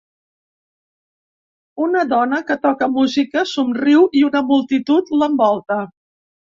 Una dona que toca música somriu i una multitud l'envolta.